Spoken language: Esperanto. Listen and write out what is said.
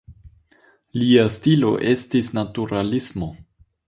Lia stilo estis naturalismo.